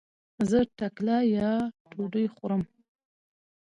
زه ټکله يا ډوډي خورم